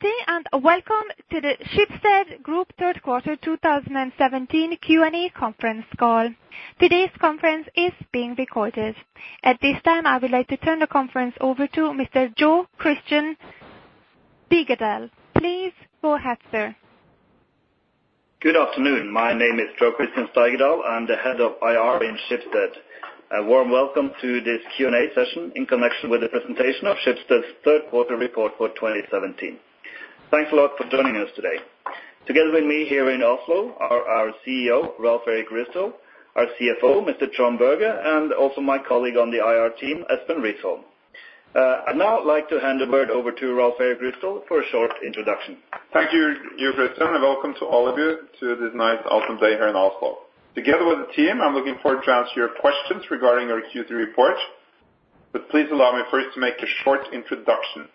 Good day and welcome to the Schibsted Group third quarter 2017 Q&A conference call. Today's conference is being recorded. At this time, I would like to turn the conference over to Mr. Jo Christian Steigedal. Please go ahead, sir. Good afternoon. My name is Jo Christian Steigedal. I'm the Head of IR in Schibsted. A warm welcome to this Q&A session in connection with the presentation of Schibsted's third quarter report for 2017. Thanks a lot for joining us today. Together with me here in Oslo are our CEO, Rolv Erik Ryssdal, our CFO, Mr. Trond Berger, and also my colleague on the IR team, Espen Risholm. I'd now like to hand the word over to Rolv Erik Ryssdal for a short introduction. Thank you, Jo Christian, and welcome to all of you to this nice autumn day here in Oslo. Together with the team, I'm looking forward to answer your questions regarding our Q3 report, but please allow me first to make a short introduction.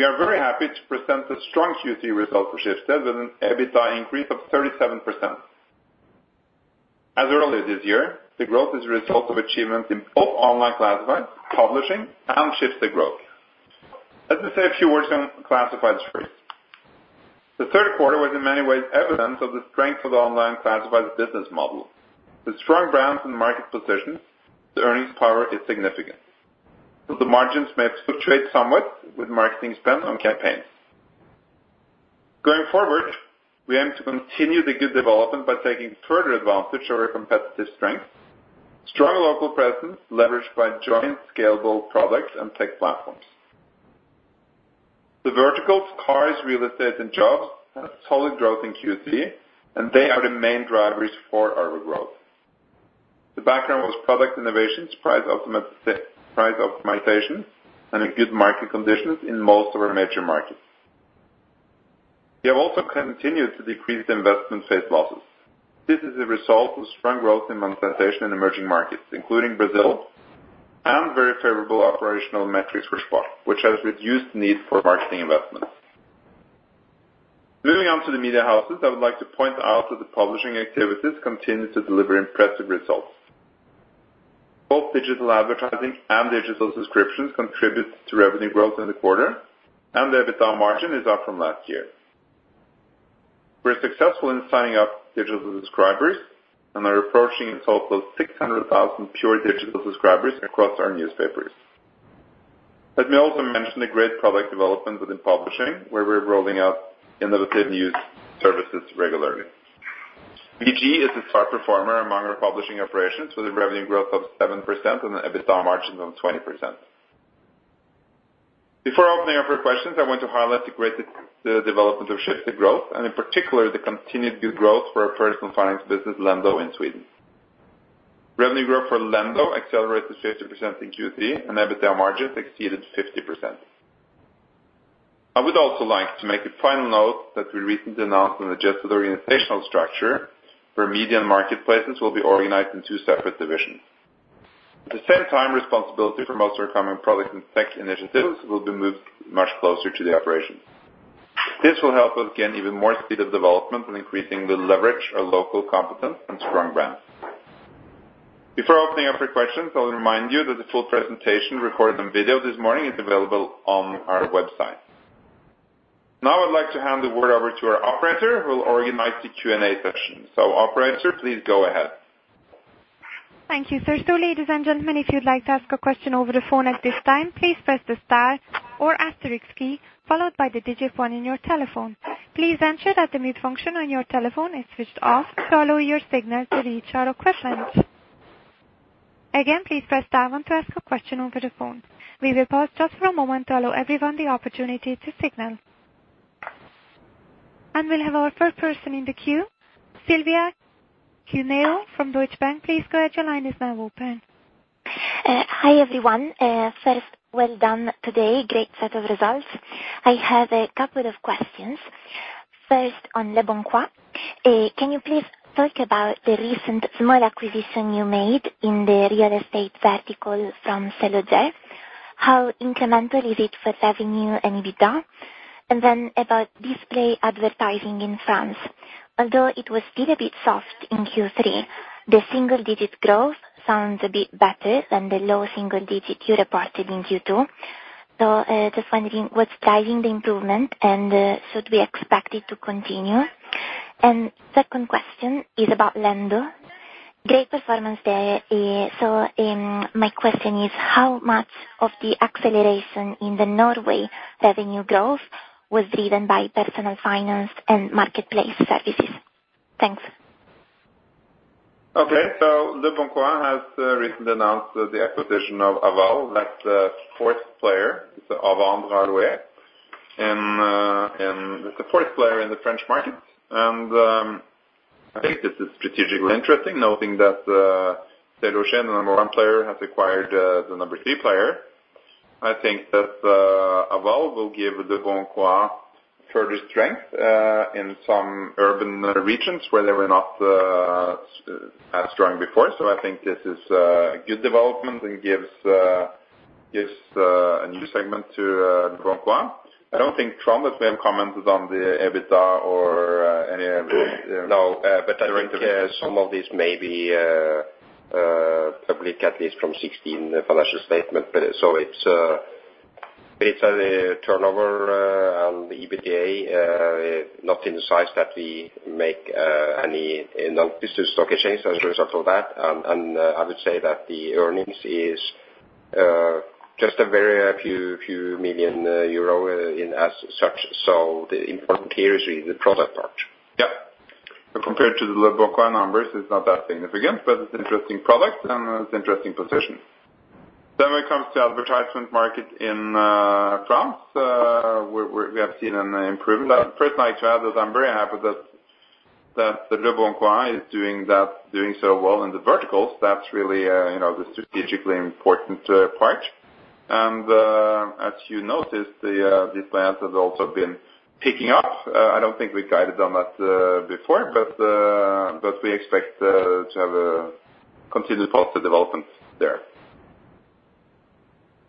We are very happy to present a strong Q3 result for Schibsted with an EBITDA increase of 37%. As early this year, the growth is a result of achievements in both online classifieds, publishing, and Schibsted Growth. Let me say a few words on classifieds first. The third quarter was in many ways evidence of the strength of the online classified business model. With strong brands and market positions, the earnings power is significant, though the margins may fluctuate somewhat with marketing spend on campaigns. Going forward, we aim to continue the good development by taking further advantage of our competitive strengths, strong local presence leveraged by joint scalable products and tech platforms. The verticals cars, real estate, and jobs had a solid growth in Q3. They are the main drivers for our growth. The background was product innovations, price optimization, and good market conditions in most of our major markets. We have also continued to decrease investment-based losses. This is a result of strong growth in monetization in emerging markets, including Brazil and very favorable operational metrics for Spain, which has reduced the need for marketing investments. Moving on to the media houses, I would like to point out that the publishing activities continue to deliver impressive results. Both digital advertising and digital subscriptions contributes to revenue growth in the quarter. The EBITDA margin is up from last year. We're successful in signing up digital subscribers and are approaching a total of 600,000 pure digital subscribers across our newspapers. Let me also mention the great product development within publishing, where we're rolling out innovative news services regularly. VG is a star performer among our publishing operations with a revenue growth of 7% and an EBITDA margin of 20%. Before opening up for questions, I want to highlight the great development of Schibsted Growth, and in particular, the continued good growth for our personal finance business Lendo in Sweden. Revenue growth for Lendo accelerated 50% in Q3, and EBITDA margins exceeded 50%. I would also like to make a final note that we recently announced an adjusted organizational structure where media and marketplaces will be organized in two separate divisions. At the same time, responsibility for most of our common product and tech initiatives will be moved much closer to the operations. This will help us gain even more speed of development and increasingly leverage our local competence and strong brands. Before opening up for questions, I'll remind you that the full presentation recorded on video this morning is available on our website. Now, I'd like to hand the word over to our operator, who will organize the Q&A session. Operator, please go ahead. Thank you, sir. Ladies and gentlemen, if you'd like to ask a question over the phone at this time, please press the star or asterisk key followed by the digit 1 on your telephone. Please ensure that the mute function on your telephone is switched off to allow your signal to reach our operators. Again, please press star 1 to ask a question over the phone. We will pause just for a moment to allow everyone the opportunity to signal. We'll have our first person in the queue. Silvia Cuneo from Deutsche Bank, please go ahead. Your line is now open. Hi, everyone. First, well done today. Great set of results. I have a couple of questions. First, on leboncoin, can you please talk about the recent small acquisition you made in the real estate vertical from SeLoger? How incremental is it for revenue and EBITDA? Then about display advertising in France. Although it was still a bit soft in Q3, the single-digit growth sounds a bit better than the low single digit you reported in Q2. Just wondering what's driving the improvement, and should we expect it to continue? Second question is about Lendo. Great performance there. My question is how much of the acceleration in the Norway revenue growth was driven by personal finance and marketplace services? Thanks. Okay. leboncoin has recently announced the acquisition of Aval. That's the fourth player. It's A Vendre A Louer. it's the fourth player in the French market. I think this is strategically interesting, noting that SeLoger, the number one player, has acquired the number three player. I think that Aval will give leboncoin further strength in some urban regions where they were not as strong before. I think this is a good development and gives a new segment to leboncoin. I don't think, Trond, that we have commented on the EBITDA or any of the. No, but I think some of these may be Public at least from 16 financial statement. It's a turnover and the EBITDA not in the size that we make any non-business stock exchanges as a result of that. I would say that the earnings is just a very few million EUR in as such. The important here is the product part. Yeah. Compared to the leboncoin numbers, it's not that significant, but it's interesting product and it's interesting position. When it comes to advertisement market in France, we have seen an improvement. First, I'd like to add that I'm very happy that the leboncoin is doing so well in the verticals. That's really, you know, the strategically important part. As you noticed, this brand has also been picking up. I don't think we guided on that before, but we expect to have a continued positive development there.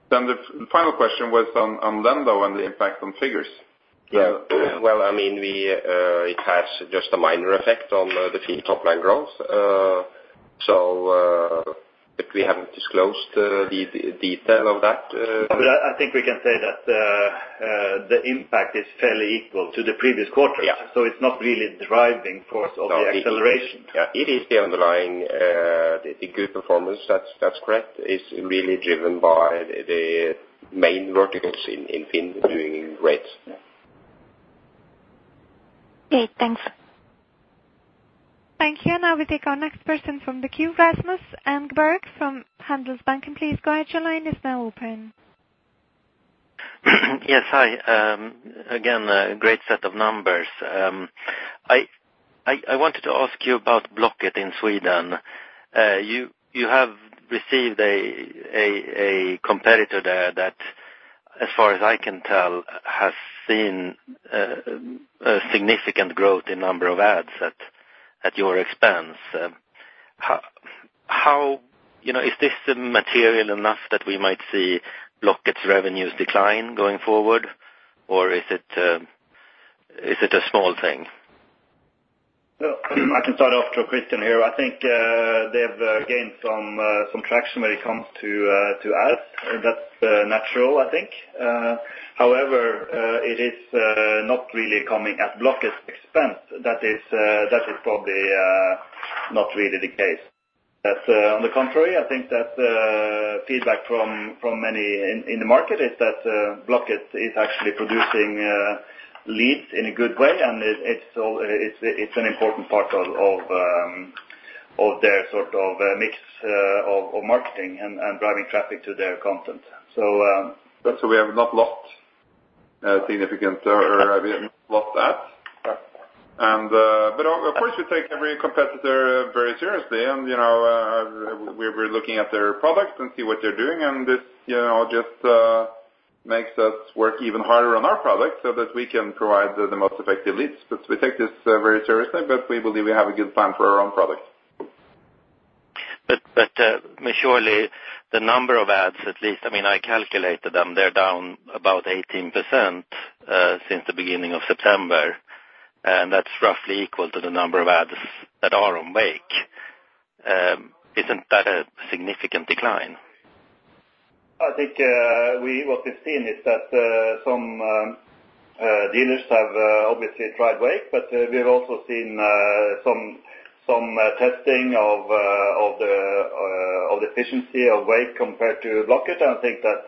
The final question was on Lendo and the impact from figures. Yeah. Well, I mean, we, it has just a minor effect on the top line growth. If we haven't disclosed the detail of that. I think we can say that the impact is fairly equal to the previous quarters. Yeah. It's not really the driving force of the acceleration. Yeah. It is the underlying, the group performance. That's correct. It's really driven by the main verticals in FINN doing great. Okay. Thanks. Thank you. Now we take our next person from the queue, Rasmus Engberg from Handelsbanken. Please go ahead. Your line is now open. Yes. Hi. again, a great set of numbers. I wanted to ask you about Blocket in Sweden. you have received a competitor there that, as far as I can tell, has seen a significant growth in number of ads at your expense. You know, is this material enough that we might see Blocket's revenues decline going forward? Or is it a small thing? Well, I can start off to Christian here. I think, they've gained some traction when it comes to ads, and that's natural, I think. However, it is not really coming at Blocket's expense. That is probably not really the case. On the contrary, I think that feedback from many in the market is that Blocket is actually producing leads in a good way, and it's an important part of their sort of mix of marketing and driving traffic to their content, so. That's why we have not lost significant or lost ads. But of course, we take every competitor very seriously and, you know, we're looking at their products and see what they're doing. This, you know, just makes us work even harder on our products so that we can provide the most effective leads because we take this very seriously, but we believe we have a good plan for our own products. Surely the number of ads, at least, I mean, I calculated them, they're down about 18%, since the beginning of September, and that's roughly equal to the number of ads that are on Wayke. Isn't that a significant decline? I think what we've seen is that some dealers have obviously tried Wayke, but we have also seen some testing of the efficiency of Wayke compared to Blocket. I think that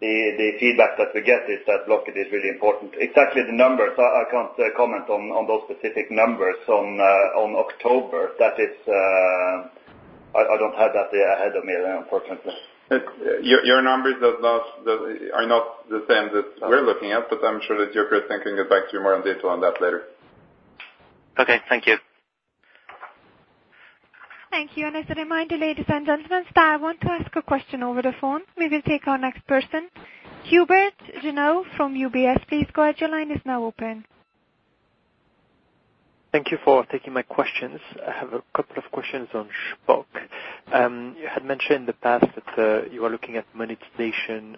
the feedback that we get is that Blocket is really important. Exactly the numbers, I can't comment on those specific numbers on October. That is. I don't have that ahead of me unfortunately. Your numbers are not the same that we're looking at, but I'm sure that Jo-Chris can get back to you more on detail on that later. Okay. Thank you. Thank you. As a reminder, ladies and gentlemen, star one to ask a question over the phone. We will take our next person. Hubert Jeannin from UBS. Please go ahead. Your line is now open. Thank you for taking my questions. I have a couple of questions on Shpock. You had mentioned in the past that you are looking at monetization,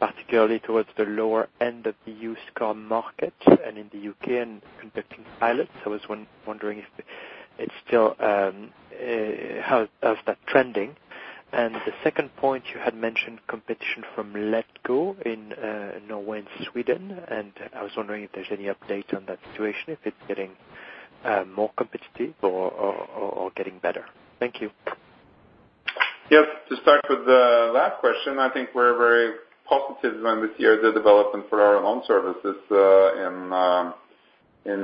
particularly towards the lower end of the used car market and in the UK and conducting pilots. I was wondering if it's still how is that trending? The second point, you had mentioned competition from letgo in Norway and Sweden. I was wondering if there's any update on that situation, if it's getting more competitive or getting better. Thank you. To start with the last question, I think we're very positive when we see the development for our loan services in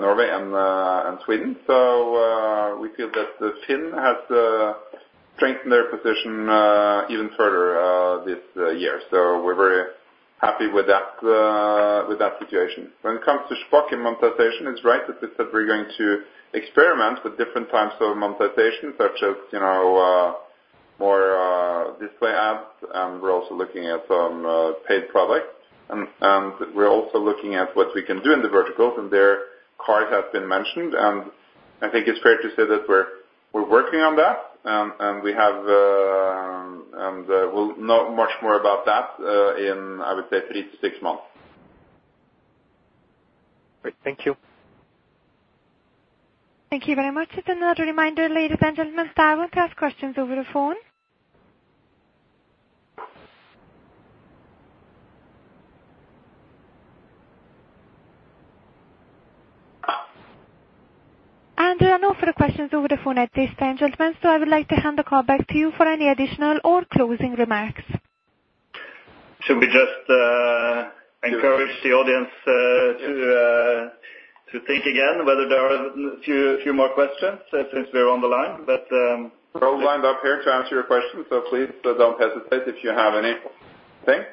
Norway and Sweden. We feel that the team has strengthened their position even further this year. We're very happy with that situation. When it comes to Shpock and monetization, it's right that we're going to experiment with different types of monetization, such as, you know, more display ads. We're also looking at some paid product. We're also looking at what we can do in the verticals, and there cars have been mentioned. I think it's fair to say that we're working on that, we'll know much more about that, in, I would say, three to six months. Thank you. Thank you very much. Just another reminder, ladies and gentlemen, dial one to ask questions over the phone. There are no further questions over the phone at this time, gentlemen. I would like to hand the call back to you for any additional or closing remarks. Should we just encourage the audience to to think again whether there are a few more questions since they're on the line. We're all lined up here to answer your questions. Please don't hesitate if you have any. Thanks.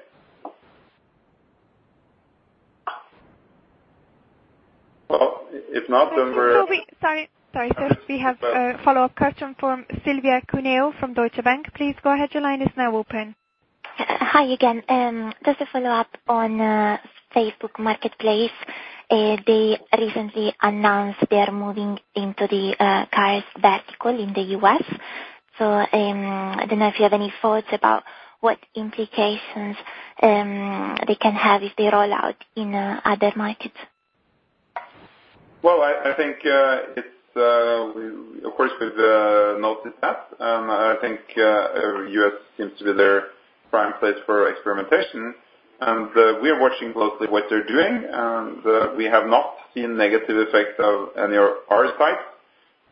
If not, then. Sorry. We have a follow-up question from Silvia Cuneo from Deutsche Bank. Please go ahead. Your line is now open. Hi again. Just a follow-up on Facebook Marketplace. They recently announced they are moving into the cars vertical in the US. I don't know if you have any thoughts about what implications they can have if they roll out in other markets. I think it's we of course, we noticed that. I think U.S. seems to be their prime place for experimentation, and we are watching closely what they're doing. We have not seen negative effects of any of our sites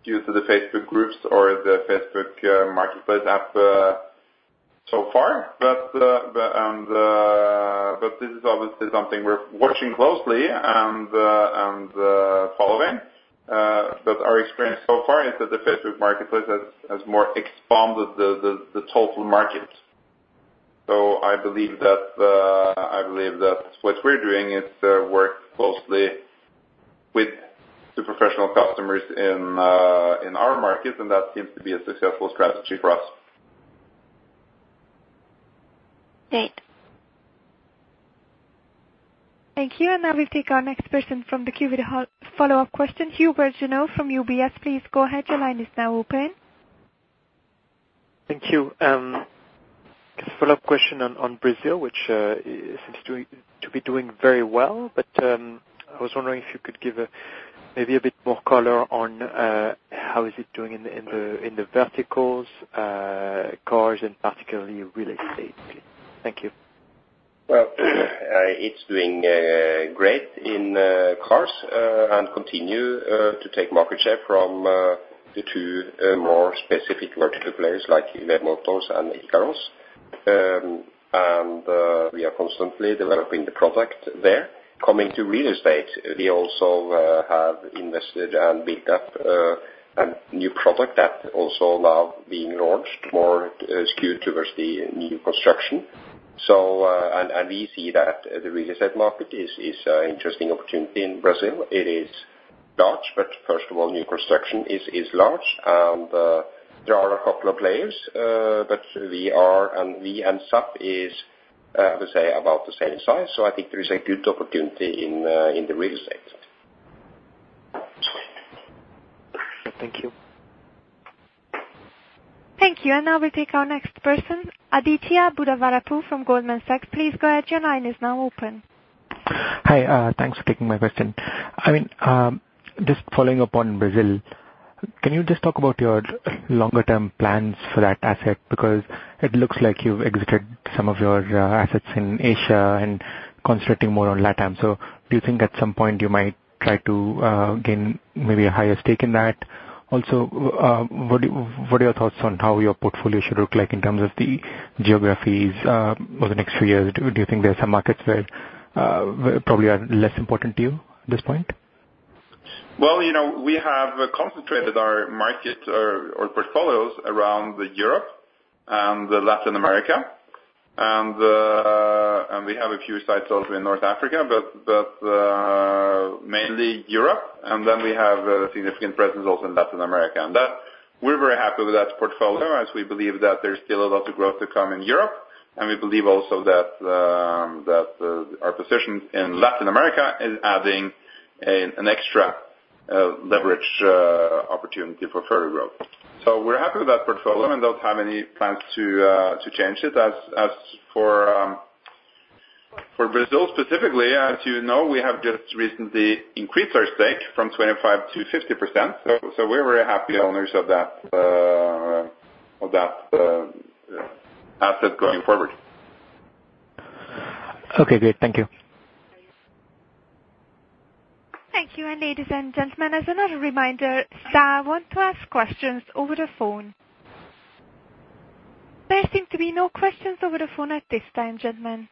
due to the Facebook groups or the Facebook Marketplace app so far. This is obviously something we're watching closely and following. Our experience so far is that the Facebook Marketplace has more expanded the total market. I believe that what we're doing is work closely with the professional customers in our market, and that seems to be a successful strategy for us. Great. Thank you. Now we take our next person from the queue with a follow-up question. Hubert Jeannet from UBS, please go ahead. Your line is now open. Thank you. Just a follow-up question on Brazil, which seems to be doing very well. I was wondering if you could give a maybe a bit more color on how is it doing in the verticals, cars and particularly real estate? Thank you. Well, it's doing great in cars, and continue to take market share from the two more specific vertical players like WebMotors and iCarros. We are constantly developing the product there. Coming to real estate, we also have invested and built up a new product that also now being launched more skewed towards the new construction. We see that the real estate market is a interesting opportunity in Brazil. It is large, but first of all, new construction is large and there are a couple of players, but we are, and we and Subito is I would say about the same size. I think there is a good opportunity in the real estate. Thank you. Thank you. Now we take our next person. Aditya Buddavarapu from Goldman Sachs. Please go ahead. Your line is now open. Hi. Thanks for taking my question. I mean, just following up on Brazil, can you just talk about your longer term plans for that asset? Because it looks like you've executed some of your assets in Asia and concentrating more on LatAm. Do you think at some point you might try to gain maybe a higher stake in that? What are your thoughts on how your portfolio should look like in terms of the geographies over the next few years? Do you think there are some markets that probably are less important to you at this point? Well, you know, we have concentrated our market or portfolios around the Europe and Latin America and we have a few sites also in North Africa, but mainly Europe. We have a significant presence also in Latin America. We're very happy with that portfolio as we believe that there's still a lot of growth to come in Europe. We believe also that our position in Latin America is adding an extra leverage opportunity for further growth. We're happy with that portfolio and don't have any plans to change it. As for Brazil specifically, as you know, we have just recently increased our stake from 25% to 50%, so we're very happy owners of that asset going forward. Okay, great. Thank you. Thank you. Ladies and gentlemen, as another reminder, star one to ask questions over the phone. There seem to be no questions over the phone at this time, gentlemen.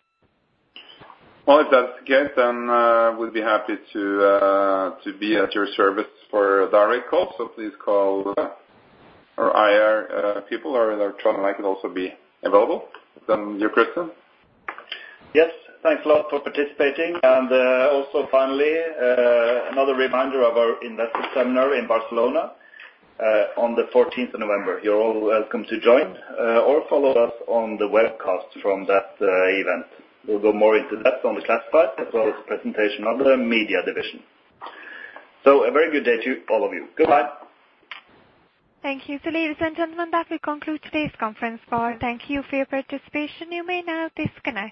If that's the case, we'll be happy to be at your service for direct call, so please call or IR people or Trond and I could also be available. Jo Christian. Yes. Thanks a lot for participating. Also finally, another reminder of our investor seminar in Barcelona, on the fourteenth of November. You're all welcome to join, or follow us on the webcast from that event. We'll go more into that on the classified as well as the presentation of the media division. A very good day to all of you. Goodbye. Thank you. Ladies and gentlemen, that will conclude today's conference call. Thank you for your participation. You may now disconnect.